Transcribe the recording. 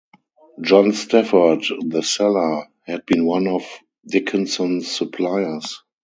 John Stafford, the seller, had been one of Dickinson's suppliers.